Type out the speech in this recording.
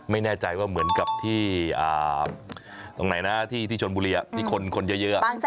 ไม่แน่ใจว่าเหมือนกับที่ตรงไหนนะที่ชนบุรีที่คนเยอะ